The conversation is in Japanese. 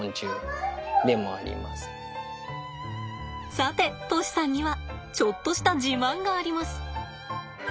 さて杜師さんにはちょっとした自慢があります！